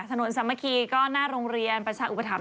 ถนนซัมมะคีก็หน้าโรงเรียนประชาอุปถัมภ์